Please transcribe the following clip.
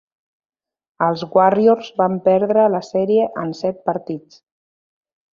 Els Warriors van perdre la sèrie en set partits.